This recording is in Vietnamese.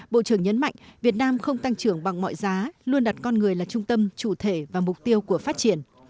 bộ trưởng nhấn mạnh việt nam không tăng trưởng bằng mọi giá luôn đặt con người là trung tâm chủ thể và mục tiêu của phát triển